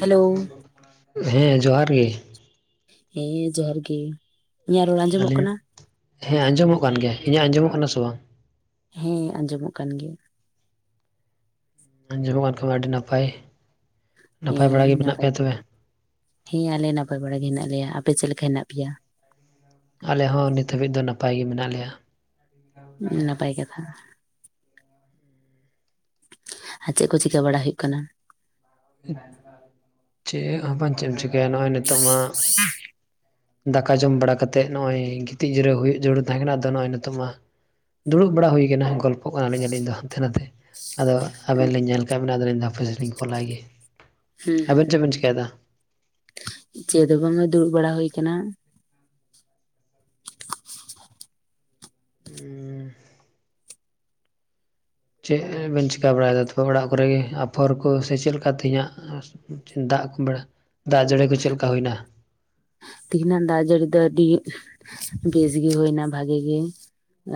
Hello ᱦᱮᱸ ᱡᱚᱦᱟᱨ ᱜᱮ ᱾ ᱦᱮᱸ ᱡᱚᱦᱟᱨ ᱜᱮ ᱾ ᱟᱹᱞᱤᱧ ᱟᱜ ᱦᱮᱸ ᱟᱸᱡᱚᱢᱚᱜ ᱠᱟᱱ ᱜᱮᱭᱟ ᱾ ᱤᱧᱟᱹᱜ ᱟᱸᱡᱚᱢᱚᱜ ᱠᱟᱱᱟ ᱥᱮ ᱵᱟᱝ? ᱦᱮᱸ ᱟᱸᱡᱚᱢᱚᱜ ᱠᱟᱱᱜᱭᱟ ᱾ ᱟᱸᱡᱚᱢᱚᱜ ᱠᱷᱟᱱ ᱢᱟ ᱟᱹᱰᱤ ᱱᱟᱯᱟᱭ ᱾ ᱦᱮᱸ ᱱᱟᱯᱟᱭ ᱦᱮᱸ ᱟᱞᱮ ᱱᱟᱯᱟᱭ ᱵᱟᱲᱟ ᱜᱮ ᱦᱮᱱᱟᱜ ᱞᱮᱭᱟ ᱾ ᱟᱯᱮ ᱪᱮᱫ ᱞᱮᱠᱟ ᱦᱮᱱᱟᱜ ᱯᱮᱭᱟ? ᱟᱞᱮ ᱦᱚᱸ ᱱᱤᱛ ᱦᱟᱹᱵᱤᱡ ᱫᱚ ᱱᱟᱯᱟᱭ ᱜᱮ ᱢᱮᱱᱟᱜ ᱞᱮᱭᱟ ᱾ ᱱᱟᱯᱟᱭ ᱠᱟᱛᱷᱟ ᱾ ᱟᱨ ᱪᱮᱫ ᱠᱚ ᱪᱤᱠᱟ ᱵᱟᱲᱟ ᱦᱩᱭᱩᱜ ᱠᱟᱱᱟ ᱾ ᱪᱮᱜ ᱦᱚᱸ ᱵᱟᱹᱧ ᱪᱤ ᱠᱟᱭᱟ ᱱᱚᱜᱼᱚᱭ ᱱᱤᱛᱳᱝᱼᱟᱸᱜ, [unintelligible] ᱫᱟᱠᱟ ᱡᱚᱢ ᱵᱟᱲᱟ ᱠᱟᱛᱮᱜ ᱱᱚᱜᱼᱚᱭ ᱜᱤᱛᱤᱡ ᱡᱤᱨᱟᱹᱣ ᱡᱩᱨᱩᱲ ᱦᱩᱭᱩᱜ ᱛᱟᱦᱮᱸ ᱠᱟᱱᱟ, ᱟᱫᱚ ᱱᱚᱜᱼᱚᱭ ᱱᱤᱛᱚᱝ ᱢᱟ, ᱫᱩᱲᱩᱵ ᱵᱟᱲᱟ ᱦᱩᱭ ᱟᱠᱟᱱᱟ ᱜᱚᱞᱯᱷᱚᱜ ᱠᱟᱱᱟᱞᱤᱧ ᱟᱹᱞᱤᱧ ᱫᱚ ᱦᱟᱱᱛᱮ ᱱᱷᱟᱛᱮ ᱾ ᱟᱫᱚ ᱟᱵᱮᱱ ᱩᱸ, ᱞᱤᱧ ᱧᱮᱞ ᱠᱟᱜ ᱵᱮᱱᱟ ᱟᱫᱚ ᱞᱤᱧ ᱦᱟᱯᱮ ᱥᱮ ᱞᱤᱧ ᱠᱚᱞ ᱟᱭ ᱜᱮ, ᱦᱩᱸ ᱦᱩᱸ, ᱟᱵᱮᱱ ᱪᱮᱜ ᱵᱮᱱ ᱪᱤᱠᱟᱭᱮᱫᱟ? [unintelligible] ᱪᱮᱫ ᱦᱚᱸ ᱵᱟᱝᱼᱟ ᱫᱩᱲᱩᱵ ᱵᱟᱲᱟ ᱦᱩᱭ ᱠᱟᱱᱟ ᱾ ᱩᱸᱻᱦ ᱪᱮᱜ ᱵᱤᱱ ᱪᱤᱠᱟᱹ ᱵᱟᱲᱟᱭᱮᱫᱟ ᱛᱚᱵᱮ ᱚᱲᱟᱜ ᱠᱚᱨᱮ ᱜᱮ, ᱟᱯᱷᱚᱨ ᱠᱚ ᱥᱮ ᱪᱮᱫ ᱞᱮᱠᱟ ᱛᱮᱦᱮᱧᱟᱜ ᱩᱸ ᱪᱮ ᱫᱟᱜ ᱠᱚ ᱵᱟᱲᱟ, ᱫᱟᱜ ᱡᱟᱹᱲᱤ ᱠᱚ ᱪᱮᱫ ᱞᱮᱠᱟ ᱦᱩᱭ ᱮᱱᱟ? ᱛᱮᱦᱤᱧᱟᱜ ᱫᱟᱜ ᱡᱟᱹᱲᱤ ᱫᱚ ᱟᱹᱰᱤ [unintelligible] ᱵᱮᱥ ᱜᱮ ᱦᱩᱭ ᱮᱱᱟ ᱵᱷᱟᱜᱮ ᱜᱮ ᱾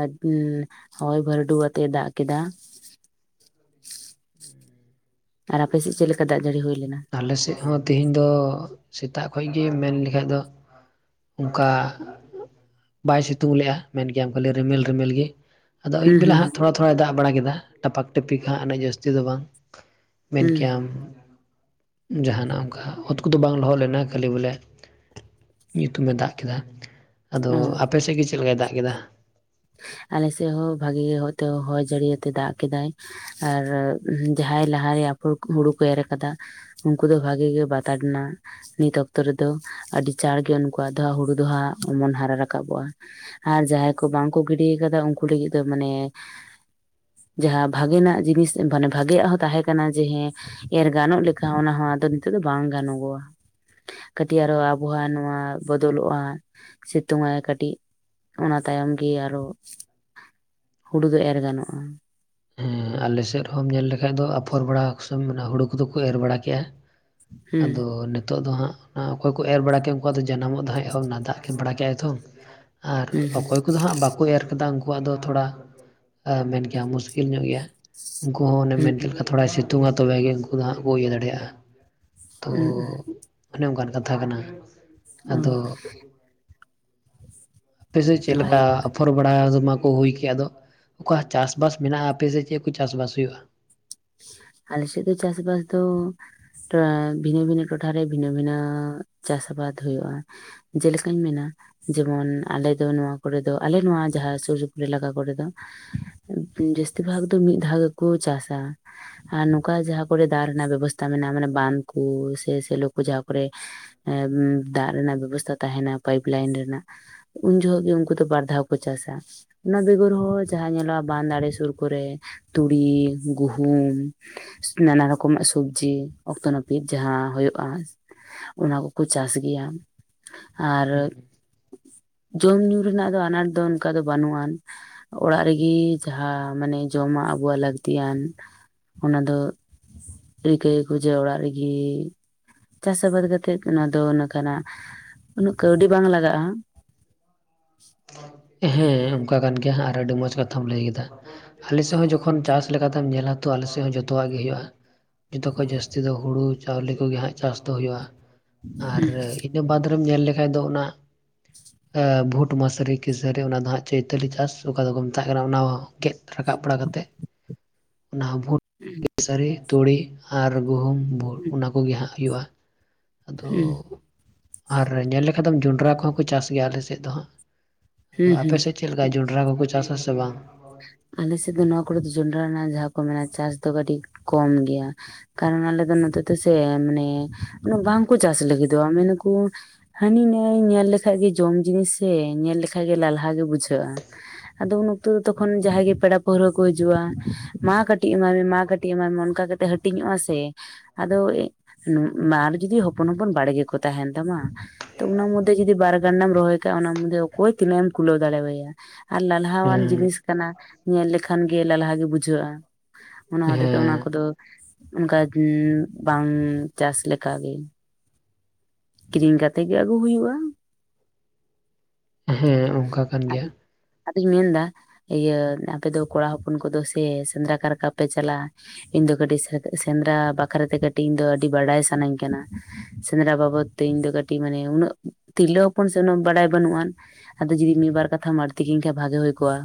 ᱟᱰ ᱩᱸ ᱦᱚᱭ ᱵᱟᱹᱨᱰᱩ ᱟᱛᱮ ᱫᱟᱜ ᱠᱮᱫᱟ ᱾ ᱩᱸᱻ ᱟᱨ ᱟᱯᱮᱥᱮᱫ ᱪᱮᱫ ᱞᱮᱠᱟ ᱫᱟᱜ ᱡᱟᱹᱲᱤ ᱦᱩᱭ ᱞᱮᱱᱟ? ᱟᱞᱮᱥᱮᱜ ᱦᱚᱸ ᱛᱮᱦᱤᱧ ᱫᱚ ᱥᱮᱛᱟᱜ ᱠᱷᱚᱡ ᱜᱮ ᱢᱮᱱ ᱞᱮᱠᱷᱟᱡ ᱫᱚ, ᱚᱸᱠᱟ ᱵᱟᱭ ᱥᱤᱛᱩᱝ ᱞᱮᱜᱼᱟ, ᱢᱮᱱ ᱠᱮᱭᱟᱢ ᱠᱷᱟᱹᱞᱤ ᱨᱤᱢᱤᱞ ᱨᱤᱢᱤᱞ ᱜᱮ᱾ ᱟᱫᱚ ᱦᱩᱸ ᱟᱹᱭᱩᱵ ᱵᱮᱞᱟ ᱦᱩᱸ ᱦᱩᱸ ᱦᱟᱸᱜ ᱛᱷᱚᱲᱟ ᱛᱷᱚᱲᱟᱭ ᱫᱟᱜ ᱵᱟᱲᱟ ᱠᱮᱫᱟ, ᱴᱟᱯᱟᱠ ᱴᱤᱯᱤᱠ ᱦᱟᱸᱜ, ᱩᱱᱟᱹᱜ ᱡᱟᱹᱥᱛᱤ ᱫᱚ ᱵᱟᱝ, ᱢᱮᱱ ᱦᱩᱸ, ᱠᱮᱭᱟᱢ ᱡᱟᱦᱟᱸᱱᱟᱜ ᱚᱸᱠᱟ ᱚᱛ ᱠᱚᱫᱚ ᱵᱟᱝ ᱞᱚᱦᱚᱫ ᱞᱮᱱᱟ ᱠᱷᱟᱹᱞᱤ ᱵᱚᱞᱮ [unintelligible] ᱧᱩᱛᱩᱢ ᱮ ᱫᱟᱜ ᱠᱮᱫᱟ, ᱟᱫᱚ ᱚ ᱟᱯᱮ ᱥᱮᱜ ᱜᱮ ᱪᱮᱫ ᱞᱮᱠᱟᱭ ᱫᱟᱜ ᱠᱮᱫᱟ? ᱟᱞᱮ ᱥᱮᱜ ᱦᱚᱸ ᱵᱷᱟᱜᱤ ᱜᱮ ᱦᱚᱭᱛᱚ ᱦᱚᱭ ᱡᱟᱹᱲᱤ ᱭᱟᱛᱮ ᱫᱟᱜ ᱠᱮᱫᱟᱭ ᱟᱨᱻᱨ ᱡᱟᱦᱟᱸᱭ ᱞᱟᱦᱟᱭᱟ ᱦᱩᱨᱩ ᱠᱚ ᱦᱩᱲᱩ ᱠᱚ ᱮᱨ ᱟᱠᱟᱫᱟ ᱩᱸᱠᱩ ᱫᱚ ᱵᱷᱟᱹᱜᱤ ᱜᱮ ᱵᱟᱛ ᱟᱴ ᱱᱟᱜ, ᱱᱤᱛ ᱚᱠᱛᱚ ᱨᱮᱫᱚ ᱟᱹᱰᱤ ᱪᱟᱬ ᱜᱮ ᱩᱱᱠᱩᱣᱟᱜ ᱫᱚ ᱦᱟᱸᱜ ᱦᱩᱲᱩ ᱫᱚ ᱦᱟᱸᱜ ᱚᱢᱚᱱ ᱦᱟᱨᱟ ᱨᱟᱠᱟᱵᱚᱜᱼᱟ, ᱟᱨ ᱡᱟᱦᱟᱸᱭ ᱠᱚ ᱵᱟᱝ ᱠᱚ ᱜᱤᱰᱤ ᱭᱟᱠᱟᱫᱟ ᱩᱸᱠᱩ ᱞᱟᱹᱜᱤᱫ ᱫᱚ ᱢᱟᱱᱮ ᱡᱟᱦᱟᱸ ᱵᱷᱟᱜᱮ ᱱᱟᱜ ᱡᱤᱱᱤᱥ ᱮᱸ ᱢᱟᱱᱮ ᱵᱷᱟᱜᱮᱭᱟᱜ ᱦᱚᱸ ᱛᱟᱦᱮᱸ ᱠᱟᱱᱟ ᱡᱮ ᱦᱮᱸ ᱮᱨ ᱜᱟᱱᱚᱜ ᱞᱮᱠᱟ ᱦᱚᱸ ᱚᱱᱟ ᱦᱚᱸ ᱟᱫᱚ ᱱᱤᱛᱚᱜ ᱫᱚ ᱵᱟᱝ ᱜᱟᱱᱚᱜᱚᱜᱼᱟ᱾ ᱠᱟᱹᱴᱤᱡ ᱟᱨᱦᱚ ᱟᱵᱚ ᱦᱟᱸᱜ ᱱᱚᱣᱟ ᱵᱚᱫᱚᱞᱚᱜᱼᱟᱸ, ᱥᱤᱛᱩᱝ ᱟᱭ ᱠᱟᱹᱴᱤᱜ ᱚᱱᱟ ᱛᱟᱭᱚᱢ ᱜᱮ ᱟᱨᱚᱜ ᱦᱩᱲᱩ ᱫᱚ ᱮᱨ ᱜᱟᱱᱚᱜᱼᱟ᱾ ᱦᱩᱸ ᱟᱞᱮᱥᱮᱫ ᱨᱮᱦᱚᱸᱢ ᱧᱮᱞ ᱞᱮᱠᱷᱟᱡ ᱫᱚ ᱟᱯᱷᱚᱨ ᱵᱟᱲᱟ ᱠᱚ ᱥᱚᱢᱚᱭ ᱚᱱᱟ ᱦᱩᱲᱩ ᱠᱚᱫᱚ ᱠᱚ ᱮᱨ ᱵᱟᱲᱟ ᱠᱮᱜᱼᱟ᱾ ᱟᱫᱚ ᱦᱩᱸ ᱱᱮᱛᱚᱜ ᱫᱚ ᱦᱟᱸᱜ ᱟᱸ ᱚᱠᱚᱭ ᱠᱚ ᱮᱨ ᱵᱟᱲᱟ ᱠᱮᱜᱼᱟ ᱩᱱᱠᱩᱣᱟᱜ ᱫᱚ ᱡᱟᱱᱟᱢᱼᱚᱫ ᱦᱟᱸᱜ ᱮᱦᱚᱵ ᱮᱱᱟ, ᱫᱟᱜ ᱠᱮᱫ ᱵᱟᱲᱟ ᱠᱮᱜᱼᱟᱭ ᱛᱚ, ᱟᱨ ᱦᱩᱸ ᱚᱠᱚᱭ ᱩᱱᱠᱩ ᱫᱚ ᱦᱟᱸᱜ ᱵᱟᱠᱚ ᱮᱨ ᱟᱠᱟᱫᱟ, ᱩᱱᱠᱩᱣᱟᱜ ᱫᱚ ᱛᱷᱚᱲᱟ, ᱟ ᱢᱮᱱ ᱠᱮᱭᱟᱢ ᱢᱩᱥᱠᱤᱞ ᱧᱚᱜ ᱜᱮᱭᱟ, ᱩᱱᱠᱩ ᱦᱚᱸ ᱚᱱᱮ ᱦᱩᱸ ᱢᱮᱱ ᱠᱮᱛ ᱞᱮᱠᱟ ᱛᱷᱚᱲᱟᱭ ᱥᱤᱛᱩᱝᱼᱟ ᱛᱚᱵᱮ ᱜᱮ ᱩᱱᱠᱩ ᱫᱚ ᱦᱟᱸᱜ ᱠᱚ ᱤᱭᱟᱹ ᱫᱟᱲᱮᱭᱟᱜᱼᱟ᱾ ᱛᱚ ᱦᱩᱸ ᱚᱱᱮ ᱚᱸᱠᱟᱱ ᱠᱟᱛᱷᱟ ᱠᱟᱱᱟ᱾ ᱚ ᱟᱫᱚ [inaudible] ᱟᱯᱮᱥᱮᱜ ᱪᱮᱜ ᱞᱮᱠᱟ, ᱵᱷᱟᱜᱮ ᱜᱮ ᱟᱯ- ᱯᱷᱚᱨ ᱵᱟᱲᱟ ᱠᱚ ᱢᱟᱠᱚ ᱦᱩᱭ ᱠᱮᱜᱼᱟ ᱟᱫᱚ ᱚᱠᱟ ᱪᱟᱥ ᱵᱟᱥ ᱢᱮᱱᱟᱜᱼᱟ, ᱟᱯᱮᱥᱮᱜ ᱪᱮᱜ ᱠᱚ ᱪᱟᱥ ᱵᱟᱥ ᱦᱩᱭᱩᱜᱼᱟ? ᱟᱞᱮ ᱥᱮᱫ ᱫᱚ ᱪᱟᱥᱵᱟᱥ ᱫᱚ ᱴᱨᱮᱸ ᱵᱷᱤᱱᱟᱹ ᱵᱷᱤᱱᱟᱹ ᱴᱚᱴᱷᱟ ᱨᱮ ᱵᱷᱤᱱᱟᱹ ᱵᱷᱤᱱᱟᱹᱻ ᱟᱸ ᱪᱟᱥ ᱟᱵᱟᱫ ᱦᱩᱭᱩᱜᱼᱟ᱾ ᱡᱮ ᱞᱮᱠᱟᱧ ᱢᱮᱱᱟ ᱡᱮᱢᱚᱱ ᱟᱞᱮ ᱫᱚ ᱱᱚᱣᱟ ᱠᱚᱨᱮ ᱫᱚ, ᱟᱞᱮ ᱱᱚᱣᱟ ᱡᱟᱦᱟᱸᱨ ᱥᱩᱨ ᱥᱩᱯᱩᱨ ᱤᱞᱟᱠᱟ ᱠᱚᱨᱮ ᱫᱚ [inaudible] ᱟᱸ ᱡᱟᱹᱥᱛᱤ ᱵᱷᱟᱜᱽ ᱫᱚ ᱢᱤᱫ ᱫᱷᱟᱣ ᱜᱮᱠᱚ ᱪᱟᱥᱼᱟ᱾ ᱟᱨ ᱱᱚᱝᱠᱟ ᱡᱟᱦᱟᱸ ᱠᱚᱨᱮ ᱫᱟᱜ ᱨᱮᱱᱟᱜ ᱵᱮᱵᱚᱥᱛᱟ ᱢᱮᱱᱟᱜᱼᱟ ᱢᱟᱱᱮ ᱵᱟᱱ ᱠᱩ ᱥᱮ ᱥᱮᱞᱚ ᱠᱚ ᱡᱟᱦᱟᱸ ᱠᱚᱨᱮ ᱮᱸᱻᱢ ᱫᱟᱜ ᱨᱮᱱᱟᱜ ᱵᱮᱵᱚᱥᱛᱷᱟ ᱛᱟᱦᱮᱸᱱᱟ ᱯᱟᱹᱭᱤᱯ ᱞᱟᱹᱭᱤᱱ ᱨᱮᱱᱟᱜ ᱩᱱ ᱡᱷᱚᱜ ᱜᱮ ᱩᱸᱠᱩ ᱫᱚ ᱵᱟᱨ ᱫᱷᱟᱣ ᱠᱚ ᱪᱟᱥᱼᱟ᱾ ᱚᱱᱟ ᱵᱮᱜᱚᱨ ᱦᱚ ᱡᱟᱦᱟᱸ ᱧᱮᱞᱚᱜᱼᱟ ᱵᱟᱸᱫᱽ ᱟᱲᱮ ᱥᱩᱨ ᱠᱚᱨᱮ ᱛᱩᱲᱤ, ᱜᱩᱦ- ᱜᱩᱦᱩᱢ ᱱᱟᱱᱟ ᱨᱚᱠᱚᱢᱟᱜ ᱥᱚᱵᱡᱤ ᱚᱠᱛᱚ ᱱᱟᱹᱯᱤᱛ ᱡᱟᱦᱟᱸ ᱦᱩᱭ᱾ ᱚᱱᱟ ᱠᱚᱠᱚ ᱪᱟᱥ ᱜᱮᱭᱟ ᱟᱨᱼᱼ ᱡᱚᱢ ᱧᱩ ᱨᱮᱱᱟᱜ ᱫᱚ ᱟᱱᱟᱴ ᱫᱚ ᱚᱱᱠᱟ ᱫᱚ ᱵᱟᱹᱱᱩᱜ ᱟᱱ ᱚᱲᱟᱜ ᱨᱮᱜᱤ ᱡᱟᱦᱟᱸ ᱢᱟᱱᱮ ᱡᱚᱢᱟᱜ ᱟᱵᱩᱣᱟᱜ ᱞᱟᱹᱠᱛᱤ ᱭᱟᱱ ᱚᱱᱟ ᱫᱚ ᱨᱤᱠᱟᱹᱭᱟᱠᱚ ᱡᱮ ᱚᱲᱟᱜ ᱨᱮᱜᱮᱼᱼ ᱪᱟᱥ ᱟᱵᱟᱫ ᱠᱟᱛᱮᱜ ᱚᱱᱟ ᱫᱚ ᱠᱟᱱᱟ ᱩᱱᱟᱹᱜ ᱠᱟᱹᱣᱰᱤ ᱵᱟᱝ ᱞᱟᱜᱟᱜᱼᱟ᱾ ᱦᱮᱸ ᱚᱱᱠᱟ ᱠᱟᱱ ᱜᱮᱭᱟ ᱟᱨ ᱟᱹᱰᱤ ᱢᱚᱸᱡᱽ ᱠᱟᱛᱷᱟᱢ ᱞᱟᱹᱭ ᱠᱮᱫᱟ᱾ ᱟᱞᱮ ᱥᱮᱫ ᱦᱚᱸ ᱡᱚᱠᱷᱚᱱ ᱪᱟᱥ ᱞᱮᱠᱟᱛᱮᱢ ᱧᱮᱞᱟ ᱛᱚ ᱟᱞᱮ ᱥᱮᱫ ᱦᱚᱸ ᱡᱚᱛᱚᱣᱟᱜ ᱜᱮ ᱦᱩᱭᱩᱜᱼᱟ᱾ ᱡᱚᱛᱚ ᱠᱷᱚᱡ ᱡᱟᱹᱥᱛᱤ ᱫᱚ ᱦᱩᱲᱩ ᱪᱟᱣᱞᱮ ᱠᱚᱜᱮ ᱦᱟᱸᱜ ᱪᱟᱥ ᱫᱚ ᱦᱩᱭᱩᱜᱼᱟ᱾ ᱟᱨ ᱦᱩᱸ ᱤᱱᱟᱹ ᱵᱟᱫᱽ ᱨᱮᱢ ᱧᱮᱞ ᱞᱮᱠᱷᱟᱱ ᱫᱚ ᱚᱱᱟ ᱵᱷᱩᱴᱼᱼ ᱠᱩᱴᱢᱟᱥᱟᱹᱨᱤ ᱠᱮᱥᱟᱹᱨᱤ ᱚᱱᱟ ᱫᱚ ᱦᱟᱸᱜ ᱪᱳᱭᱛᱟᱞᱤ ᱪᱟᱥ ᱚᱠᱟ ᱫᱚᱠᱚ ᱢᱮᱛᱟᱜ ᱠᱟᱱᱟ ᱚᱱᱟ ᱦᱚᱸ ᱜᱮᱫᱼᱼ ᱨᱟᱠᱟᱵ ᱵᱟᱲᱟ ᱠᱟᱛᱮᱮᱫ ᱚᱱᱟ ᱵᱷᱩᱴᱼᱼ ᱦᱢ ᱛᱥᱟᱹᱨᱤ ᱛᱩᱲᱤ ᱟᱨ ᱜᱩᱦᱩᱢ ᱵᱷᱩᱲ ᱚᱱᱟ ᱠᱚᱜᱮ ᱦᱟᱸᱜ ᱦᱩᱭᱩᱜᱼᱟ᱾ ᱟᱫᱚ ᱦᱩᱸ ᱟᱨ ᱧᱮᱞ ᱞᱮᱠᱷᱟᱱ ᱫᱚᱢ ᱡᱚᱱᱰᱨᱟ ᱠᱚᱦᱚᱸ ᱠᱚ ᱪᱟᱥ ᱜᱮᱭᱟ ᱟᱞᱮ ᱥᱮᱫ ᱫᱚ ᱦᱟᱸᱜᱼᱼ ᱟᱫᱚ ᱦᱩᱸ ᱦᱩᱸ ᱟᱯᱮᱮᱥᱮᱫ ᱪᱮᱫ ᱞᱮᱠᱟ ᱡᱚᱱᱰᱨᱟ ᱠᱚᱠᱚ ᱪᱟᱥᱟ ᱥᱮ ᱵᱟᱝ? ᱟᱞᱮᱮᱥᱮᱫ ᱫᱚ ᱱᱚᱣᱟ ᱠᱚᱨᱮ ᱫᱚ ᱡᱚᱱᱰᱨᱟ ᱨᱮᱱᱟᱜ ᱡᱟᱦᱟᱸ ᱠᱚ ᱢᱮᱱᱟ ᱪᱟᱥ ᱫᱚ ᱠᱟᱹᱴᱤᱡ ᱠᱚᱢ ᱜᱮᱭᱟ᱾ ᱠᱟᱨᱚᱱ ᱟᱞᱮ ᱫᱚ ᱱᱚᱛᱮ ᱛᱮᱥᱮ ᱢᱟᱱᱮ ᱵᱟᱝᱠᱚ ᱪᱟᱥ ᱞᱟᱹᱜᱤᱫᱚᱜᱼᱟ ᱢᱮᱱᱟᱠᱚ ᱦᱟᱹᱱᱤ ᱱᱟᱹᱭ ᱧᱮᱞ ᱞᱮᱠᱷᱟᱡ ᱜᱮ ᱡᱚᱢ ᱡᱤᱱᱤᱥᱮ ᱧᱮᱞ ᱞᱮᱠᱟᱡ ᱜᱮ ᱞᱟᱞᱦᱟ ᱜᱮ ᱵᱩᱡᱷᱟᱹᱜᱼᱟ᱾ ᱟᱫᱚ ᱩᱱ ᱚᱠᱛᱚ ᱫᱚ ᱛᱚᱠᱷᱚᱱ ᱡᱟᱦᱟᱸᱭ ᱜᱮ ᱯᱮᱲᱟ ᱯᱟᱹᱲᱦᱟ ᱠᱚ ᱦᱤᱡᱩᱜᱼᱟ᱾ ᱢᱟ ᱠᱟᱹᱴᱤᱡ ᱮᱢᱟᱭ ᱢᱮ ᱢᱟ ᱠᱟᱹᱴᱤᱡ ᱮᱢᱟᱭ ᱢᱮ ᱚᱱᱠᱟ ᱠᱟᱛᱮᱫ ᱦᱟᱹᱴᱤᱧᱚᱜᱼᱟ ᱥᱮᱼᱼ ᱟᱫᱚ ᱱᱩ ᱢᱟᱨᱪ [unintelligible] ᱡᱩᱫᱤ ᱦᱚᱯᱚᱱ ᱦᱚᱯᱚᱱ ᱵᱟᱲᱜᱮ ᱠᱚ ᱛᱟᱦᱮᱱ ᱛᱟᱢᱟ ᱛᱚ ᱚᱱᱟ ᱢᱚᱫᱽ ᱡᱩᱫᱤ ᱵᱟᱨᱼᱼ ᱨᱟᱱᱟᱢ ᱨᱚᱦᱚᱭ ᱠᱟᱜᱟ ᱚᱱᱟ ᱢᱫᱮ ᱚᱠᱚᱭ ᱛᱤᱱᱟᱹᱜ ᱮᱢ ᱠᱩᱞᱟᱹᱣ ᱫᱟᱲᱮᱣᱟᱭᱟ ᱟᱨ ᱞᱟᱞᱦᱟᱣᱟᱱ ᱦᱮᱸ ᱡᱤᱱᱤᱥᱼᱼ ᱧᱮᱞ ᱞᱮᱠᱷᱟᱱ ᱜᱮ ᱞᱟᱞᱦᱟᱣ ᱜᱮ ᱵᱩᱡᱷᱟᱹᱜᱼᱟ᱾ ᱚᱱᱟ ᱦᱚᱛᱮ ᱛᱮ ᱚᱱᱟ ᱦᱮᱸ ᱠᱚ ᱫᱚ ᱚᱱᱠᱟ ᱵᱟᱝ ᱪᱟᱥ ᱞᱮᱠᱟ ᱜᱮᱼᱼ ᱠᱤᱨᱤᱧ ᱠᱟᱛᱮ ᱜᱮ ᱟᱹᱜᱩ ᱦᱩᱭᱩᱜᱼᱟ᱾ ᱦᱮᱸ ᱚᱝᱠᱟ ᱠᱟᱱ ᱜᱮᱭᱟ᱾ ᱟᱫᱚ ᱟᱫᱚᱧ ᱢᱮᱱ ᱫᱟᱼᱼ ᱤᱭᱟᱹ ᱟᱯᱮ ᱫᱚ ᱠᱚᱲᱟ ᱦᱚᱯᱚᱱ ᱠᱚ ᱫᱚ ᱥᱮ ᱥᱮᱸᱫᱽᱨᱟ ᱠᱟᱨᱠᱟ ᱯᱮ ᱪᱟᱞᱟᱜᱼᱟ᱾ ᱤᱧ ᱫᱚ ᱠᱟᱹᱴᱤᱡ ᱥᱮᱸᱫᱽᱨᱟ ᱵᱟᱠᱷᱨᱟ ᱛᱮ ᱠᱟᱹᱴᱤᱡ ᱫᱚ ᱟᱹᱰᱤ ᱵᱟᱰᱟᱭ ᱥᱟᱱᱟᱧ ᱠᱟᱱᱟ? ᱥᱮᱸᱫᱽᱨᱟ ᱵᱟᱵᱚᱫ ᱛᱮ ᱤᱧ ᱫᱚ ᱠᱟᱹᱴᱤᱡ ᱢᱟᱱᱮ ᱩᱱᱟᱹᱜ ᱛᱤᱨᱞᱟᱹ ᱦᱚᱯᱚᱱ ᱥᱮ ᱩᱱᱟᱹᱜ ᱵᱟᱰᱟᱭ ᱵᱟᱹᱱᱩᱜᱼᱟ᱾ ᱟᱫᱚ ᱡᱩᱫᱤ ᱢᱤᱫ ᱵᱟᱨ ᱠᱟᱛᱷᱟᱢ ᱟᱹᱲᱛᱤ ᱠᱤᱧ ᱠᱷᱟᱱ ᱵᱷᱟᱜᱮ ᱦᱳᱭ ᱠᱚᱜᱼᱟ?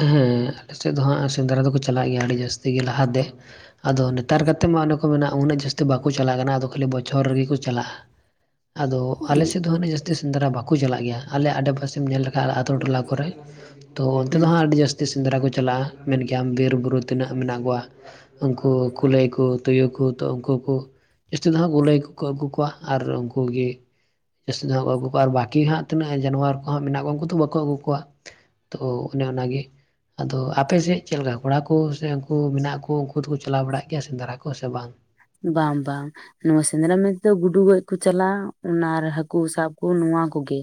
ᱦᱮᱸ ᱟᱞᱮ ᱥᱮᱫ ᱫᱚ ᱦᱟᱸᱜ ᱥᱮᱸᱫᱽᱨᱟ ᱫᱚ ᱠᱚ ᱪᱟᱞᱟᱜ ᱜᱮᱭᱟ ᱟᱹᱰᱤ ᱡᱟᱹᱥᱛᱤ ᱜᱮ ᱞᱟᱦᱟ ᱫᱮᱼᱼ ᱟᱫᱚ ᱱᱮᱛᱟᱨ ᱠᱟᱛᱮ ᱢᱟ ᱚᱱᱮ ᱠᱚ ᱢᱮᱟ ᱩᱱᱟᱹᱜ ᱡᱟᱹᱥᱛᱤ ᱵᱟᱠᱚ ᱪᱟᱞᱟᱜ ᱠᱟᱱᱟ ᱟᱫᱚ ᱠᱷᱟᱹᱞᱤ ᱵᱚᱪᱷᱚᱨ ᱨᱮ ᱜᱮ ᱠᱚ ᱪᱟᱞᱟᱜᱼᱟ᱾ ᱟᱫᱚ ᱟᱞᱮ ᱥᱮᱫ ᱫᱚ ᱦᱟᱱᱮ ᱡᱟᱹᱥᱛᱤᱼᱼ ᱛᱤ ᱥᱮᱸᱫᱽᱨᱟ ᱵᱟᱠᱚ ᱪᱟᱞᱟᱜ ᱜᱮᱭᱟ ᱟᱞᱮ ᱟᱰᱮ ᱯᱟᱥᱮᱢ ᱧᱮᱞ ᱞᱮᱠᱷᱟᱜ ᱟᱛᱳ ᱴᱚᱞᱟ ᱠᱚ ᱨᱮ ᱛᱚ ᱚᱱᱛᱮ ᱫᱚ ᱦᱩᱸ ᱦᱟᱸᱜ ᱟᱹᱰᱤ ᱡᱟᱹᱥᱛᱤᱼᱼ ᱡᱟᱹᱥᱛᱤ ᱥᱮᱸᱫᱽᱨᱟ ᱠᱚ ᱪᱟᱞᱟᱜᱼᱟ ᱢᱮᱱ ᱜᱮᱭᱟᱢ ᱵᱤᱨ ᱵᱩᱨᱩ ᱛᱤᱱᱟᱹᱜ ᱢᱮᱱᱟᱜ ᱠᱚᱣᱟ᱾ ᱩᱱᱠᱩ ᱠᱩᱞᱟᱹᱭ ᱠᱩ ᱛᱩᱭᱩ ᱠᱩ ᱛᱚ ᱩᱱᱠᱩ ᱠᱩ ᱡᱟᱹᱥᱛᱤ ᱫᱚ ᱦᱚᱸᱜ ᱜᱩᱞᱟᱹᱭ ᱟᱹᱜᱩ ᱠᱚᱣᱟ ᱟᱨ ᱩᱱᱠᱩ ᱜᱮᱼᱼ ᱡᱟᱹᱥᱛᱤ ᱫᱚ ᱦᱟᱸᱜ ᱠᱚ ᱟᱹᱜᱩ ᱠᱚᱣᱟ ᱟᱨ ᱵᱟᱹᱠᱤ ᱦᱟᱸᱜ ᱛᱤᱱᱟᱹᱜ ᱡᱟᱱᱣᱟᱨ ᱠᱚ ᱦᱟᱸᱜ ᱢᱮᱱᱟᱜ ᱠᱚᱣᱟ ᱩᱱᱠᱩ ᱫᱚ ᱵᱟᱠᱚ ᱟᱹᱜᱩ ᱠᱚᱣᱟ᱾ ᱛᱚ ᱚᱱᱮ ᱚᱱᱟ ᱜᱮᱼᱼ ᱟᱫᱚ ᱟᱯᱮ ᱥᱮᱫ ᱪᱮᱫ ᱞᱮᱠᱟ ᱠᱚᱲᱟ ᱠᱚ ᱥᱮ ᱩᱱᱠᱩ ᱢᱮᱱᱟᱜ ᱠᱩ ᱩᱱᱠᱩ ᱫᱚ ᱠᱚ ᱪᱟᱞᱟᱣ ᱵᱟᱲᱟᱜ ᱜᱮᱭᱟ ᱥᱮᱸᱫᱽᱨᱟ ᱠᱚ ᱥᱮ ᱵᱟᱝ? ᱵᱟᱝ ᱵᱟᱝ ᱱᱚᱣᱟ ᱥᱮᱸᱫᱽᱨᱟ ᱢᱮᱱ ᱛᱮ ᱫᱚ ᱜᱩᱰᱩ ᱜᱚᱡ ᱠᱚ ᱪᱟᱞᱟᱜᱼᱟ ᱚᱱᱟ ᱟᱨ ᱦᱟᱹᱠᱩ ᱥᱟᱵ ᱠᱚ ᱱᱚᱣᱟ ᱠᱚ ᱜᱮᱼᱼ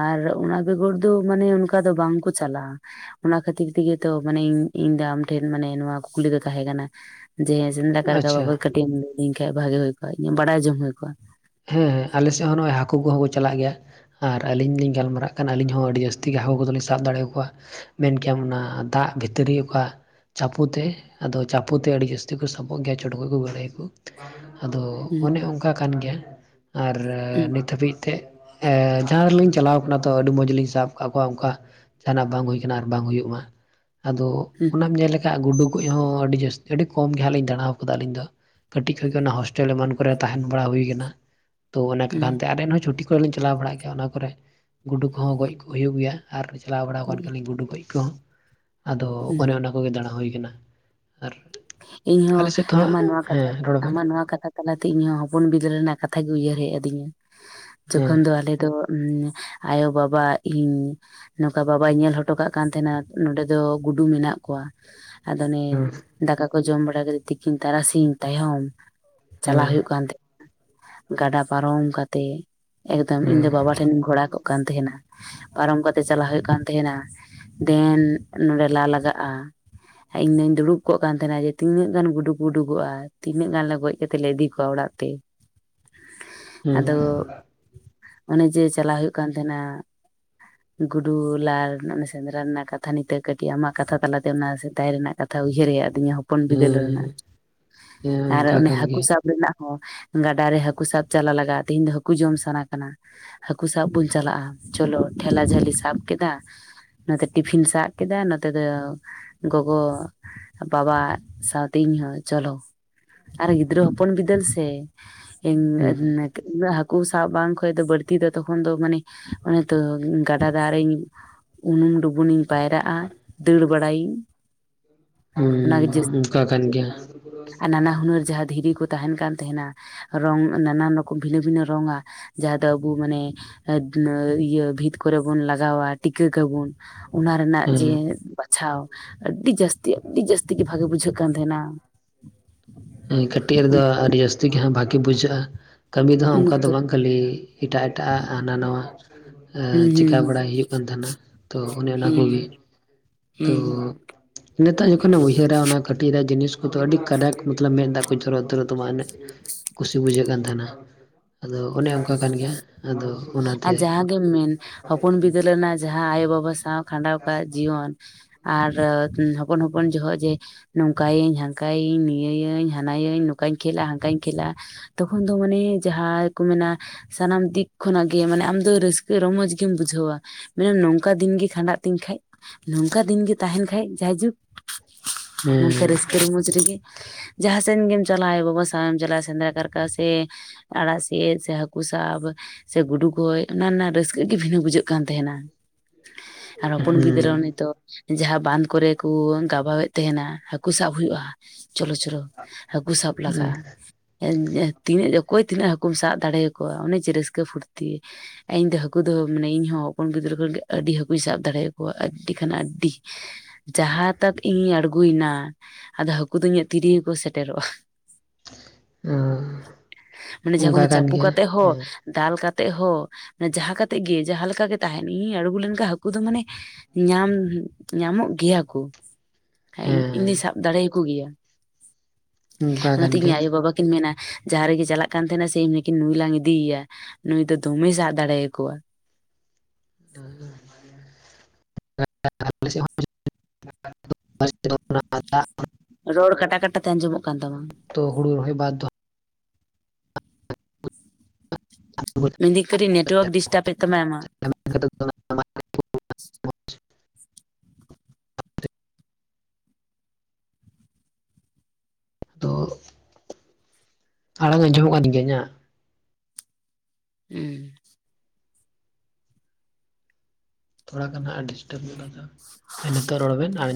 ᱟᱨ ᱚᱱᱟ ᱵᱮᱜᱚᱨ ᱫᱚ ᱢᱟᱱᱮ ᱚᱝᱠᱟ ᱫᱚ ᱵᱟᱝ ᱠᱚ ᱪᱟᱞᱟᱜᱼᱟ᱾ ᱚᱱᱟ ᱠᱷᱟᱹᱛᱤᱨ ᱛᱮ ᱜᱮ ᱛᱚ ᱢᱟᱱᱮ ᱤᱧ ᱫᱚ ᱟᱢ ᱴᱷᱮᱱ ᱢᱟᱱᱮ ᱱᱚᱣᱟ ᱠᱩᱠᱞᱤ ᱫᱚ ᱛᱟᱦᱮᱸ ᱠᱟᱱᱟ, ᱡᱮ ᱦᱮᱸ ᱡᱮᱱᱫᱟ ᱠᱟᱨᱠᱟ ᱟᱪᱪᱷᱟ ᱵᱟᱵᱚᱛ ᱠᱟᱹᱴᱤᱡ ᱮᱢ ᱞᱟᱹᱭᱤᱧ ᱠᱷᱟᱡ ᱵᱷᱟᱜᱤ ᱦᱳᱭ ᱠᱚᱜᱼᱟ ᱤᱧ ᱵᱟᱰᱟᱭ ᱡᱚᱝ ᱦᱩᱭ ᱠᱚᱜᱼᱟ᱾ ᱦᱮᱸ ᱦᱮᱸ ᱟᱞᱮ ᱥᱮᱫ ᱦᱚᱸ ᱱᱚᱜᱚᱭ ᱦᱟᱹᱠᱩ ᱠᱚ ᱦᱚᱸ ᱠᱚ ᱪᱟᱞᱟᱜ ᱜᱮᱭᱟ, ᱟᱨ ᱟᱹᱞᱤᱧ ᱞᱤᱧ ᱜᱟᱞᱢᱟᱨᱟᱜ ᱠᱟᱱ ᱟᱹᱞᱤᱧ ᱦᱚᱸ ᱟᱹᱰᱤ ᱡᱟᱹᱥᱛᱤ ᱜᱮ ᱦᱟᱹᱠᱩ ᱠᱚᱫᱚᱞᱤᱧ ᱥᱟᱵ ᱫᱟᱲᱮᱭᱟᱠᱚᱣᱟ᱾ ᱢᱮᱱ ᱠᱮᱭᱟᱢ ᱚᱱᱟ ᱫᱟᱜ ᱵᱷᱤᱛᱨᱤ ᱚᱠᱟ ᱪᱟᱯᱩ ᱛᱮ ᱟᱫᱚ ᱪᱟᱯᱩ ᱛᱮ ᱟᱹᱰᱤ ᱡᱟᱹᱥᱛᱤ ᱠᱚ ᱥᱟᱵᱚᱜ ᱜᱮᱭᱟ ᱪᱚᱰᱜᱚᱡ ᱠᱚ ᱜᱟᱹᱲᱟᱹᱭᱠᱩ ᱟᱫᱚ ᱦᱩᱸ ᱚᱱᱮ ᱚᱝᱠᱟ ᱠᱟᱱ ᱜᱮᱭᱟ, ᱟᱨ ᱦᱩᱸ ᱱᱤᱛ ᱦᱟᱹᱵᱤᱡ ᱛᱮ ᱮ ᱡᱟᱦᱟᱸ ᱨᱮᱞᱤᱧ ᱪᱟᱞᱟᱣ ᱠᱟᱱᱟ ᱛᱚ ᱟᱹᱰᱤ ᱢᱚᱡ ᱞᱤᱧ ᱥᱟᱵ ᱠᱟᱜ ᱠᱚᱣᱟ ᱚᱝᱠᱟ ᱡᱟᱦᱟᱸᱱᱟᱜ ᱵᱟᱝ ᱦᱩᱭ ᱠᱟᱱᱟ ᱟᱨ ᱵᱟᱝ ᱦᱩᱭᱩᱜ ᱢᱟ ᱟᱫᱚ ᱦᱩᱸ ᱚᱱᱟᱢ ᱧᱮᱞ ᱞᱮ ᱠᱷᱟᱸᱜ ᱜᱩᱰᱩ ᱜᱚᱡ ᱦᱚᱸ ᱟᱹᱰᱤ ᱡᱟᱹᱥᱛᱤ ᱟᱹᱰᱤ ᱠᱚᱢ ᱜᱮ ᱦᱟᱸᱜ ᱞᱤᱧ ᱫᱟᱬᱟ ᱠᱟᱫᱟ ᱟᱹᱞᱤᱧ ᱫᱚ᱾ ᱠᱟᱹᱴᱤᱡ ᱠᱷᱚᱡ ᱜᱮ ᱚᱱᱟ ᱦᱳᱥᱴᱮᱞ ᱮᱢᱟᱱ ᱠᱚ ᱨᱮ ᱛᱟᱦᱮᱱ ᱵᱟᱲᱟ ᱦᱩᱭ ᱠᱟᱱᱟ᱾ ᱛᱚ ᱚᱱᱟ ᱠᱟᱱ ᱦᱩᱸ ᱛᱮ ᱟᱨ ᱮᱱᱦᱚᱸ ᱪᱷᱩᱴᱤ ᱠᱚ ᱨᱮ ᱞᱤᱧ ᱪᱟᱞᱟᱣ ᱵᱟᱲᱟᱜ ᱜᱮᱭᱟ ᱚᱱᱟ ᱠᱚ ᱨᱮ ᱜᱩᱰᱩ ᱠᱚ ᱦᱚᱸ ᱜᱚᱡ ᱠᱚ ᱦᱩᱭᱩᱜ ᱜᱮᱭᱟ᱾ ᱟᱨ ᱪᱟᱞᱟᱣ ᱵᱟᱲᱟ ᱠᱟᱱ ᱦᱩᱸ ᱜᱮᱭᱟ ᱞᱤᱧ ᱜᱩᱰᱩ ᱜᱚᱡ ᱠᱚ ᱦᱚᱸ ᱟᱫᱚ ᱦᱩᱸ ᱚᱱᱮ ᱚᱱᱟ ᱠᱚ ᱜᱮ ᱫᱟᱬᱟ ᱦᱩᱭ ᱠᱟᱱᱟ, ᱟᱨ ᱤᱧ ᱦᱚᱸ ᱟᱞᱮ ᱥᱮᱫ ᱫᱚ ᱟᱢᱟᱜ ᱦᱟᱸᱜ ᱱᱚᱣᱟ ᱠᱟᱛᱷᱟ ᱦᱮᱸ ᱨᱚᱲ ᱵᱮᱱ ᱟᱢᱟᱜ ᱱᱚᱣᱟ ᱠᱟᱛᱷᱟ ᱛᱟᱞᱟ ᱛᱮ ᱤᱧ ᱦᱚᱸ ᱦᱚᱯᱚᱱ ᱵᱤᱫᱟᱹᱞ ᱨᱮᱱᱟᱜ ᱠᱟᱛᱷᱟ ᱜᱮ ᱩᱭᱦᱟᱹᱨ ᱦᱮᱡ ᱟᱹᱫᱤᱧᱟ ᱦᱮᱸ ᱡᱚᱠᱷᱚᱱ ᱫᱚ ᱟᱞᱮ ᱫᱚ ᱟᱭᱳᱼᱵᱟᱵᱟ ᱤᱧ ᱱᱚᱝᱠᱟ ᱵᱟᱵᱟᱭ ᱧᱮᱞ ᱦᱚᱴᱚ ᱠᱟᱜ ᱠᱟᱱ ᱛᱟᱦᱮᱸᱱᱟ ᱱᱚᱸᱰᱮ ᱫᱚ ᱜᱩᱰᱩ ᱢᱮᱱᱟᱜ ᱠᱚᱣᱟ, ᱟᱫᱚ ᱚᱱᱮ ᱦᱮᱸ ᱫᱟᱠᱟ ᱠᱚ ᱡᱚᱢ ᱵᱟᱲᱟ ᱠᱟᱛᱮ ᱛᱤᱠᱤᱱ ᱛᱟᱨᱟᱥᱤᱧ ᱛᱟᱭᱚᱢ ᱪᱟᱞᱟᱜ ᱦᱮᱸ ᱦᱳᱭᱳᱜ ᱠᱟᱱ ᱛᱟᱦᱮᱸᱱ ᱜᱟᱰᱟ ᱯᱟᱨᱚᱢ ᱠᱟᱛᱮ᱾ ᱮᱠᱫᱚᱢ ᱤᱧ ᱫᱚ ᱦᱩᱸ ᱵᱟᱵᱟ ᱴᱷᱮᱱᱤᱧ ᱜᱷᱚᱲᱟ ᱠᱚᱜ ᱠᱟᱱ ᱛᱟᱦᱮᱸᱱᱟ᱾ ᱯᱟᱨᱚᱢ ᱠᱟᱛᱮ ᱪᱟᱞᱟᱜ ᱦᱳᱭᱳᱜ ᱠᱟᱱ ᱛᱟᱦᱮᱸᱱᱟ ᱫᱮᱱ ᱱᱚᱸᱰᱮ ᱞᱟ ᱞᱟᱜᱟᱜᱼᱟ, ᱦᱮᱸ ᱤᱧ ᱫᱚ ᱫᱩᱲᱩᱵ ᱠᱚᱜ ᱠᱟᱱ ᱛᱟᱦᱮᱸᱱᱟ ᱡᱮ ᱛᱤᱱᱟᱹᱜ ᱜᱟᱱ ᱜᱩᱰᱩᱠ ᱩᱰᱩᱠᱚᱜᱼᱟ, ᱛᱤᱱᱟᱹᱜ ᱜᱟᱱ ᱜᱚᱡ ᱠᱟᱛᱮᱫ ᱞᱮ ᱤᱫᱤ ᱠᱚᱣᱟ ᱚᱲᱟᱜᱼᱛᱮ, - ᱦᱩᱸ ᱟᱫᱚ ᱚᱱᱮ ᱡᱮ ᱪᱟᱞᱟᱜ ᱦᱩᱭᱩᱜ ᱠᱟᱱ ᱛᱟᱦᱮᱸᱱᱟ, ᱜᱩᱰᱩ ᱞᱟ ᱨᱮᱱᱟᱜ ᱥᱮᱸᱫᱽᱨᱟ ᱨᱮᱱᱟᱜ ᱠᱟᱛᱷᱟ ᱱᱤᱛᱚᱜ ᱠᱟᱹᱴᱤᱡ ᱟᱢᱟᱜ ᱠᱟᱛᱷᱟ ᱛᱟᱞᱟᱛᱮ ᱚᱱᱟ ᱥᱮᱫᱟᱭ ᱨᱮᱱᱟᱜ ᱠᱟᱛᱷᱟ ᱩᱭ ᱦᱟᱹᱨ ᱦᱮᱡ ᱟᱫᱤᱧᱟ ᱦᱚᱯᱚᱱ ᱵᱤᱫᱟᱹᱞ ᱨᱮᱱᱟᱜ, ᱦᱩᱸ ᱦᱮᱸ ᱟᱨ ᱚᱱᱠᱟ ᱚᱱᱮ ᱠᱟᱱ ᱦᱟᱹᱠᱩ ᱜᱮᱭᱟ ᱥᱟᱵ ᱨᱮᱱᱟᱜ ᱚ ᱜᱟᱰᱟ ᱨᱮ ᱦᱟᱹᱠᱩ ᱥᱟᱵ ᱪᱟᱞᱟᱜ ᱞᱟᱜᱟᱜᱼᱟ, ᱛᱮᱦᱤᱧ ᱫᱚ ᱦᱟᱹᱠᱩ ᱡᱚᱢ ᱥᱟᱱᱟ ᱠᱟᱱᱟ᱾ ᱦᱟᱹᱠᱩ ᱥᱟᱵ ᱵᱚᱱ ᱪᱟᱞᱟᱜᱼᱟ, ᱪᱚᱞᱚ ᱴᱷᱮᱞᱟ ᱡᱷᱟᱹᱞᱤ ᱥᱟᱵ ᱠᱮᱫᱟ, ᱱᱚᱛᱮ ᱴᱤᱯᱷᱤᱱ ᱥᱟᱵ ᱠᱮᱫᱟ ᱱᱚᱛᱮ ᱫᱚ ᱜᱚᱜᱚ ᱵᱟᱵᱟ ᱥᱟᱶᱛᱮ ᱤᱧᱦᱚᱸ ᱪᱚᱞᱚ, ᱟᱨ ᱜᱤᱫᱽᱨᱟᱹ ᱦᱚᱯᱚᱱ ᱵᱤᱫᱟᱹᱞ ᱥᱮ? ᱤᱧ ᱦᱩᱸ ᱦᱟᱹᱠᱩ ᱥᱟᱵ ᱵᱟᱝ ᱠᱷᱚᱡ ᱫᱚ ᱵᱟᱹᱲᱛᱤ ᱫᱚ ᱛᱚᱠᱷᱚᱱ ᱫᱚ ᱢᱟᱱᱮ ᱚᱱᱮ ᱛᱚ ᱜᱟᱰᱟ ᱫᱟᱜᱨᱤᱧ ᱩᱱᱩᱢ ᱰᱩᱵᱩᱱᱤᱱ ᱤᱧ ᱯᱟᱭᱨᱟᱜᱼᱟ ᱫᱟᱹᱲ ᱵᱟᱲᱟᱭᱟᱹᱧ, ᱦᱩᱸ ᱚᱱᱟᱜᱮ ᱡᱟᱹᱥᱛᱤ ᱚᱱᱠᱟ ᱵᱷᱟᱜᱮ ᱵᱩᱡᱷᱟᱹᱜ ᱜᱮᱭᱟ ᱠᱟᱱ ᱛᱟᱦᱮ, ᱟᱨ ᱱᱟᱱᱟ ᱦᱩᱱᱟᱹᱨ ᱡᱟᱦᱟᱸ ᱫᱷᱤᱨᱤ ᱠᱚ ᱛᱟᱦᱮᱸᱱ ᱠᱟᱱ ᱛᱟᱦᱮᱸᱱᱟ, ᱨᱚᱝ ᱱᱟᱱᱟᱱ ᱨᱚᱠᱚᱢ ᱵᱷᱤᱱᱟᱹ ᱵᱷᱤᱱᱟᱹ ᱨᱚᱝᱟ, ᱡᱟᱦᱟᱸ ᱫᱚ ᱟᱵᱚ ᱢᱟᱱᱮ ᱤᱭᱟᱹ ᱵᱷᱤᱛ ᱠᱚᱨᱮ ᱵᱚᱱ ᱞᱟᱜᱟᱣᱟ ᱴᱤᱠᱟᱹᱠ ᱟᱵᱚᱱ ᱚᱱᱟ ᱨᱮᱱᱟᱜ ᱡᱮ ᱦᱩᱸ ᱵᱟᱪᱷᱟᱣ ᱟᱹᱰᱤ ᱡᱟᱹᱥᱛᱤ ᱟᱹᱰᱤ ᱡᱟᱹᱥᱛᱤ ᱜᱮ ᱵᱷᱟᱜᱮ ᱵᱩᱡᱷᱟᱹᱜ ᱠᱟᱱ ᱛᱟᱦᱮᱸᱱᱟ᱾ ᱦᱩᱸ ᱠᱟᱹᱴᱤᱡ ᱨᱮᱫᱚ ᱟᱹᱰᱤ ᱡᱟᱹᱥᱛᱤ ᱜᱮ ᱵᱷᱟᱹᱜᱮ ᱵᱩᱡᱷᱟᱹᱜᱼᱟ᱾ ᱠᱟᱹᱢᱤ ᱫᱚ ᱦᱟᱸᱜ ᱩᱱ ᱚᱱᱝᱠᱟ ᱫᱚ ᱚᱠᱛᱚ ᱵᱟᱝ ᱠᱷᱟᱹᱞᱤ ᱮᱴᱟᱜ ᱮᱴᱟᱜᱼᱟᱜ ᱦᱟᱱᱟ ᱱᱟᱣᱟ ᱨᱮ᱾ ᱟᱸ ᱪᱮᱠᱟ ᱦᱩᱸ ᱵᱟᱲᱟᱭ ᱦᱩᱭᱩᱜ ᱠᱟᱱ ᱛᱟᱦᱮᱸᱱᱟ ᱛᱚ ᱚᱱᱮ ᱚᱱᱟ ᱦᱩᱸ ᱦᱩᱸ ᱠᱚᱜᱮ ᱦᱩᱸ ᱛᱚ ᱦᱩᱸ ᱱᱤᱛᱚᱜ ᱡᱚᱠᱷᱚᱱᱮᱢ ᱩᱭᱦᱟᱹᱨᱟ ᱚᱱᱟ ᱠᱟᱹᱴᱤᱡ ᱨᱮᱭᱟᱜ ᱡᱤᱱᱤᱥ ᱠᱚᱫᱚ ᱟᱹᱰᱤ ᱠᱟᱰᱟᱠ ᱢᱚᱛᱞᱚᱵ ᱢᱮᱫᱟᱜ ᱠᱚ ᱡᱚᱨ ᱩᱛᱟᱹᱨᱚᱜ ᱛᱟᱢᱟ ᱮᱱᱮ ᱠᱩᱥᱤ ᱵᱩᱡᱷᱟᱹᱜ ᱠᱟᱱ ᱛᱟᱦᱮᱱᱟ ᱟᱫᱚ ᱚᱱᱮ ᱚᱱᱠᱟ ᱠᱟᱱ ᱜᱮᱭᱟ ᱟᱫᱚᱼᱼ ᱟᱨ ᱡᱟᱦᱟᱸ ᱜᱮᱢ ᱢᱮᱱ ᱦᱚᱯᱚᱱ ᱵᱤᱫᱟᱹᱞ ᱨᱮᱱᱟᱜ ᱡᱟᱦᱟᱸ ᱟᱭᱳ ᱵᱟᱵᱟ ᱥᱟᱶ ᱠᱷᱟᱸᱰᱟᱣ ᱠᱟᱜ ᱡᱤᱭᱚᱱ ᱟᱨ ᱦᱚᱯᱚᱱ ᱦᱚᱯᱚᱱ ᱡᱚᱦᱚᱜ ᱡᱮ, ᱱᱚᱝᱠᱟᱭ ᱟᱹᱧ ᱦᱟᱱᱠᱟᱭ ᱤᱧ ᱱᱤᱭᱟᱹ ᱟᱹᱧ ᱦᱟᱱᱟᱭᱟᱹᱧ ᱱᱚᱝᱠᱟᱧ ᱠᱷᱮᱞᱟ ᱦᱟᱱᱠᱟᱧ ᱠᱷᱮᱞᱟ ᱛᱚᱠᱷᱚᱱ ᱫᱚ ᱢᱟᱱᱮ ᱡᱟᱦᱟᱸᱭ ᱠᱚ ᱢᱮᱱᱟ ᱥᱟᱱᱟᱢ ᱫᱤᱠ ᱠᱷᱚᱱᱟᱜᱼᱼ ᱜᱮ ᱢᱟᱱᱮ ᱟᱢ ᱫᱚ ᱨᱟᱹᱥᱠᱟᱹ ᱨᱚᱢᱚᱡᱽ ᱜᱮᱢ ᱵᱩᱡᱷᱟᱹᱣᱟ ᱢᱟᱱᱮ ᱱᱚᱝᱠᱟ ᱫᱤᱱ ᱜᱮ ᱠᱷᱟᱸᱰᱟᱜ ᱛᱤᱧ ᱠᱷᱟᱡ ᱱᱚᱝᱠᱟ ᱫᱤᱱ ᱜᱮ ᱛᱟᱦᱮᱱ ᱠᱷᱟᱡ ᱡᱟᱭ ᱡᱩᱜᱽ ᱱᱚᱝᱠᱟ ᱦᱮᱸ ᱨᱟᱹᱥᱠᱟᱹ ᱨᱚᱢᱚᱡᱽ ᱨᱮ ᱜᱮᱼᱼ ᱡᱟᱦᱟᱸ ᱥᱮᱱ ᱜᱮᱢ ᱪᱟᱞᱟᱜᱼᱟ ᱟᱭᱳ ᱵᱟᱵᱟ ᱥᱟᱶ ᱪᱟᱞᱟᱜᱼᱟ ᱥᱮᱸᱫᱽᱨᱟ ᱠᱟᱨᱠᱟ ᱥᱮᱼᱼ ᱟᱲᱟᱜ ᱥᱤᱜ ᱥᱮ ᱦᱟᱹᱠᱩ ᱥᱟᱵᱼᱼ ᱥᱮ ᱜᱩᱰᱩ ᱜᱚᱡ ᱚᱱᱟ ᱨᱮᱱᱟᱜ ᱨᱟᱹᱥᱠᱟᱹ ᱜᱮ ᱵᱷᱤᱱᱟᱹ ᱵᱩᱡᱷᱟᱹᱜ ᱠᱟᱱ ᱛᱟᱦᱮᱱᱟ ᱟᱨ ᱦᱚᱯᱚᱱ ᱜᱤᱫᱽᱨᱟᱹ ᱩᱱᱤ ᱦᱩᱸ ᱛᱚ ᱡᱟᱦᱟᱸ ᱵᱟᱸᱱ ᱠᱚᱨᱮ ᱠᱚ ᱜᱟᱵᱟᱣᱮᱫ ᱛᱟᱦᱮᱱᱟ ᱦᱟᱹᱠᱩ ᱥᱟᱵ ᱦᱩᱭᱩᱜᱼᱟ ᱪᱚᱞᱚ ᱪᱚᱞᱚᱼᱼ ᱦᱟᱹᱠᱩ ᱥᱟᱵ ᱞᱟᱜᱟᱜᱼᱟ [unintelligible] ᱛᱤᱱᱟᱹᱜ ᱚᱠᱚᱭ ᱛᱤᱱᱟᱹᱜ ᱦᱟᱹᱠᱩᱢ ᱥᱟᱵ ᱫᱟᱲᱮᱭᱟ ᱠᱚᱣᱟ ᱚᱱᱮ ᱡᱮ ᱨᱟᱹᱥᱠᱟᱹ ᱯᱷᱩᱨᱛᱤ ᱤᱧ ᱫᱚ ᱦᱟᱹᱠᱩ ᱫᱚ ᱢᱟᱱᱮ ᱤᱧ ᱦᱚᱸ ᱦᱚᱯᱚᱱ ᱜᱤᱫᱽᱨᱟᱹ ᱠᱷᱚᱱ ᱜᱮ ᱟᱹᱰᱤ ᱦᱟᱹᱠᱩᱧ ᱥᱟᱵ ᱫᱟᱲᱮᱭ ᱟᱠᱚᱣᱟ ᱟᱹᱰᱤ ᱠᱷᱟᱱ ᱟᱹᱰᱤ ᱡᱟᱦᱟᱸ ᱛᱟᱜ ᱤᱧᱤᱧ ᱟᱬᱜᱚᱭ ᱮᱱᱟᱼᱼ ᱟᱫᱚ ᱦᱟᱹᱠᱩ ᱫᱚ ᱤᱧᱟᱹᱜ ᱛᱤᱨᱤᱜᱤ ᱠᱚ ᱥᱮᱴᱮᱨᱚᱜᱼᱟ ᱚ ᱢᱟᱱᱮ ᱡᱟᱸᱦᱟ ᱚᱱᱠᱟ ᱠᱚ ᱠᱟᱱ ᱪᱟᱯᱚ ᱜᱮᱭᱟ ᱠᱟᱛᱮ ᱦᱚᱸᱼᱼ ᱦᱮᱸ ᱫᱟᱞ ᱠᱟᱛᱮᱜ ᱦᱚᱸ ᱡᱟᱦᱟᱸ ᱠᱟ ᱠᱟᱛᱮᱫ ᱜᱮ ᱡᱟᱦᱟᱸ ᱞᱮᱠᱟ ᱜᱮ ᱛᱟᱦᱮᱱ ᱤᱧᱤᱧ ᱟᱬᱜᱚ ᱞᱮᱱ ᱠᱷᱟᱱ ᱦᱟᱹᱠᱩ ᱫᱚ ᱢᱟᱱᱮ ᱧᱟᱢ ᱧᱟᱢᱚᱜ ᱜᱮᱭᱟ ᱠᱚᱼᱼ ᱦᱮᱸ ᱤᱧ ᱫᱚᱧ ᱥᱟᱵ ᱫᱟᱲᱮᱭᱟ ᱠᱚ ᱜᱮᱭᱟ ᱚᱱᱠᱟ ᱚᱱᱟ ᱠᱟᱱ ᱛᱮ ᱤᱧ ᱜᱮᱭᱟ ᱟᱭᱳ ᱵᱟᱵᱟᱼᱼ ᱠᱤᱱ ᱢᱮᱱᱟ ᱡᱟᱦᱟᱸ ᱨᱮᱜᱮ ᱪᱟᱞᱟᱜ ᱠᱟᱱ ᱛᱟᱦᱮᱱᱟ ᱥᱮ ᱤᱧ ᱜᱮ ᱠᱤᱱ ᱞᱟᱝ ᱤᱫᱤᱭᱮᱭᱟ ᱱᱩᱭ ᱫᱚ ᱫᱚᱢᱮ ᱥᱟᱵ ᱫᱟᱲᱮᱭ ᱟᱠᱚᱣᱟ [unintelligible] [unintelligible] ᱨᱚᱲ ᱠᱟᱴᱟ ᱠᱟᱴᱟ ᱛᱮ ᱟᱸᱡᱚᱢᱚᱜ ᱠᱟᱱ ᱛᱟᱢᱟ ᱛᱚ ᱦᱩᱲᱩ ᱨᱚᱭ ᱵᱟᱫᱽᱫᱷᱚᱼᱼ ᱢᱮᱱᱫᱟᱹᱧ ᱠᱟᱹᱴᱤᱡ ᱱᱮᱴᱳᱣᱟᱨᱠ ᱰᱤᱥᱴᱟᱵ ᱮ ᱛᱟᱢᱟ ᱟᱢᱟᱜ [inaudible] ᱟᱫᱚᱼᱼ ᱟᱲᱟᱝ ᱟᱡᱚᱢᱚᱜ ᱠᱟᱱ ᱛᱤᱧᱟᱹ ᱤᱧᱟᱹᱜ ᱦᱩᱸᱼᱼ ᱛᱷᱚᱲᱟ ᱜᱟᱱ ᱰᱤᱥᱴᱟᱵ ᱠᱟᱛᱮ ᱱᱤᱛᱚᱜ ᱨᱚᱲ ᱵᱮᱱ ᱟᱨᱼᱼ